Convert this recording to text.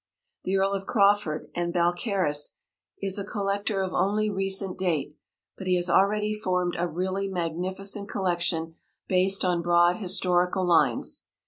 The Earl of Crawford and Balcarres is a collector of only recent date, but he has already formed a really magnificent collection based on broad historical lines.